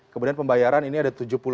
kemudian pembayaran ini ada tujuh puluh